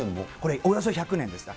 およそ１００年？